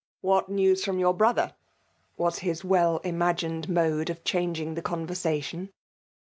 " What news from your brother ?*' was his well imagined mode of changing the conv^^ sation.